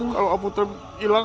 kalau putra hilang